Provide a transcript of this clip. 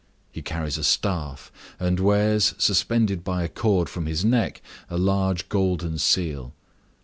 He carries a staff, and wears, suspended by a cord from his neck, a large golden seal.